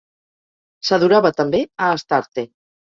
S'adorava també a Astarte.